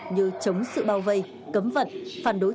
như chống sự bao vây cấm vận phản đối